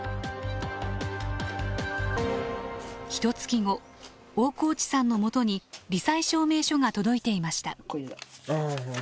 ひとつき後大河内さんのもとにり災証明書が届いていました。